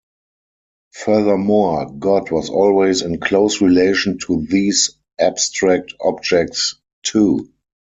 Furthermore, God was always in close relation to these abstract objects, too.